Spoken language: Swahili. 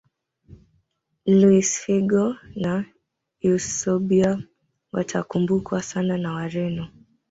luis figo na eusebio watakumbukwa sana na wareno